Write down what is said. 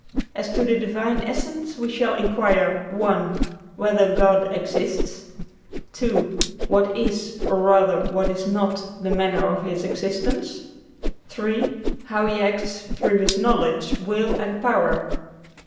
As to the Divine Essence we shall inquire (1) whether God exists; (2) what is, or rather what is not, the manner of His existence; (3) how He acts through His knowledge, will, and power.